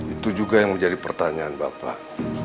itu juga yang menjadi pertanyaan bapak